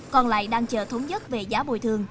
còn lại đang chờ thống nhất về giá bồi thường